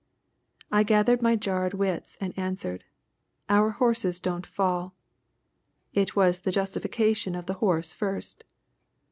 I gathered my jarred wits and answered. "Our horses don't fall." It was the justification of the horse first.